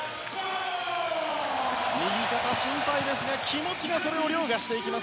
右肩が心配ですが気持ちがそれを陵駕していきます